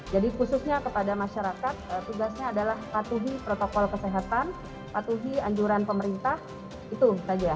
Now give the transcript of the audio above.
jadi khususnya kepada masyarakat tugasnya adalah patuhi protokol kesehatan patuhi anjuran pemerintah itu saja